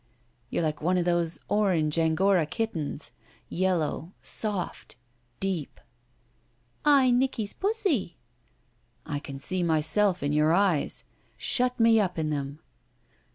"You're like one of those orange Angora kittens. Yellow. Soft. Deep." "I Nicky's pussy." "I can see mysdf in your eyes. Shut me up in them."